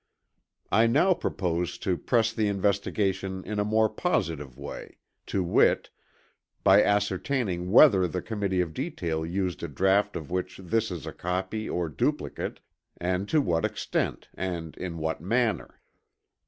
I now propose to press the investigation in a more positive way; to wit, by ascertaining whether the Committee of Detail used a draught of which this is a copy or duplicate, and to what extent and in what manner.